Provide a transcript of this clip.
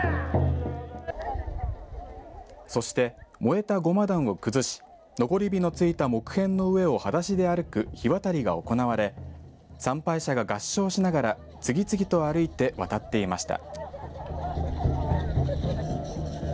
そして燃えた護摩壇を崩し残り火のついた木片の上をはだしで歩く火渡りが行われ参拝者が合掌しながら次々と歩いて渡っていました。